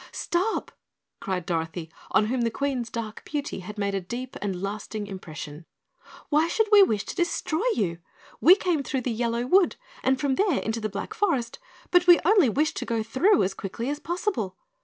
"Stop!" cried Dorothy, on whom the Queen's dark beauty had made a deep and lasting impression. "Why should we wish to destroy you? We came through the Yellow Wood and from there into the Black Forest, but we only wished to go through as quickly as possible.